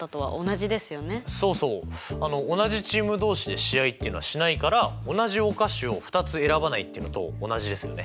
そうそう同じチーム同士で試合っていうのはしないから同じお菓子を２つ選ばないっていうのと同じですよね。